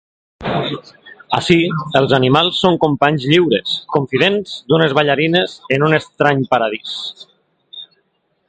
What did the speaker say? Ací, els animals són companys lliures, confidents d'unes ballarines en un estrany paradís.